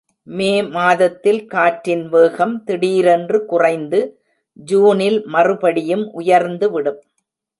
மே மாதத்தில் காற்றின் வேகம் திடீரென்று குறைந்து ஜூனில் மறுபடியும் உயர்ந்துவிடும்.